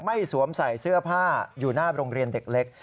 สวมใส่เสื้อผ้าอยู่หน้าโรงเรียนเด็กเล็ก